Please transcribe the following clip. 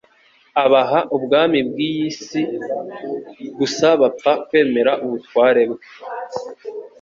Abaha ubwami bw'iyi si, gusa bapfa kwemera ubutware bwe.